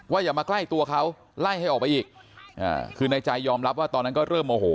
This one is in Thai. อย่ามาใกล้ตัวเขาไล่ให้ออกไปอีกคือในใจยอมรับว่าตอนนั้นก็เริ่มโมโห